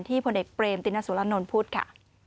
ที่พลเอกเปรมติณสุลานนท์พูดค่ะ